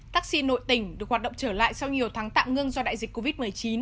taxi nội tỉnh được hoạt động trở lại sau nhiều tháng tạm ngưng do đại dịch covid một mươi chín